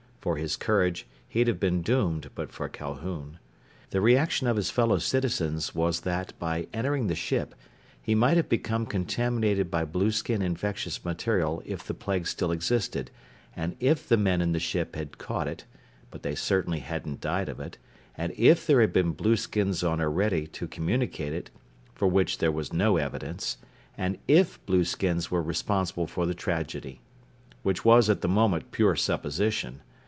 For his courage, he'd have been doomed but for Calhoun. The reaction of his fellow citizens was that by entering the ship he might have become contaminated by blueskin infectious material of the plague still existed, and if the men in the ship had caught it (but they certainly hadn't died of it), and if there had been blueskins on Orede to communicate it (for which there was no evidence), and if blueskins were responsible for the tragedy. Which was at the moment pure supposition.